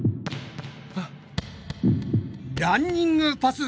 ランニングパス。